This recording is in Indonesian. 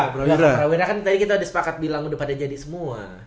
nah wira kan tadi kita udah sepakat bilang udah pada jadi semua